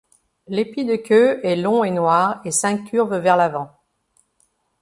L'épi de queue est long et noir, et s'incurve vers l'avant.